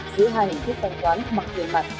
giữa hai hình thức thanh toán mặt tiền mặt